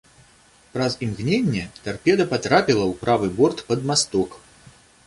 Праз імгненне тарпеда патрапіла ў правы борт пад масток.